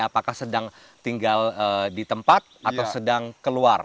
apakah sedang tinggal di tempat atau sedang keluar